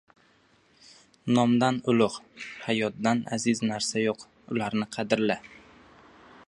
Nomdan ulug‘, hayotdan aziz narsa yo‘q. Ularni qadrla!